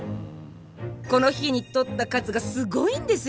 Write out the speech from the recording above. この日に採った数がすごいんですよ！